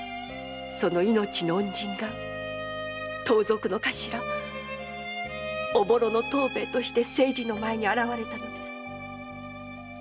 その命の恩人が盗賊の頭・おぼろの藤兵衛として清次の前に現れたのです。